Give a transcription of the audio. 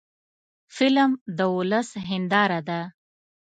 فلم د ولس هنداره ده